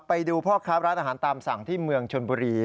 ไปดูพ่อค้าร้านอาหารตามสั่งที่เมืองชนบุรี